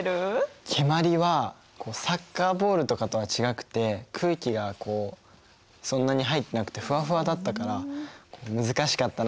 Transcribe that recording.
蹴鞠はサッカーボールとかとは違って空気がそんなに入ってなくてふわふわだったから難しかったな。